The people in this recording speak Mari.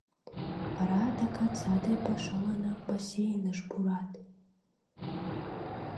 Вара адакат саде пашаланак бассейныш пурат.